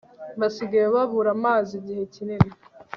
basigaye babura amazi igihe kinini